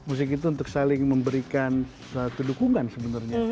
musik itu untuk saling memberikan satu dukungan sebenernya